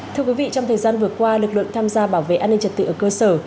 thưa quý vị trong thời gian vừa qua lực lượng tham gia bảo vệ an ninh trật tự ở cơ sở